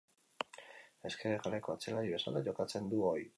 Ezker hegaleko atzelari bezala jokatzen du ohi.